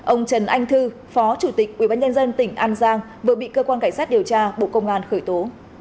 ông trần anh thư phó chủ tịch ubnd tỉnh an giang vừa bị cơ quan cảnh sát điều tra bộ công an khởi tố